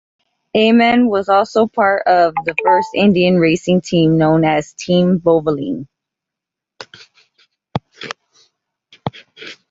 Aman was also part of the first Indian racing team known as Team Valvoline.